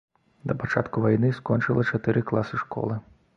Да пачатку вайны скончыла чатыры класы школы.